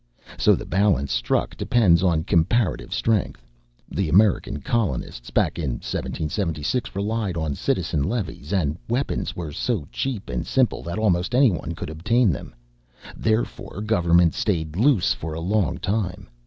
So the balance struck depends on comparative strength. The American colonists back in 1776 relied on citizen levies and weapons were so cheap and simple that almost anyone could obtain them. Therefore government stayed loose for a long time.